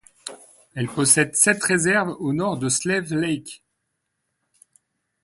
Elle possède sept réserves au nord de Slave Lake.